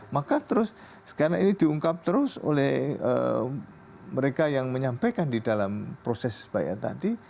maka terus karena ini diungkap terus oleh mereka yang menyampaikan di dalam proses bayar tadi